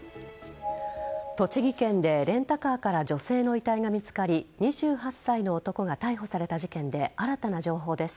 栃木県でレンタカーから女性の遺体が見つかり２８歳の男が逮捕された事件で新たな情報です。